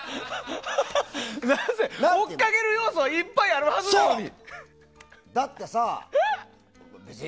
追っかける要素はいっぱいあるはずなのに。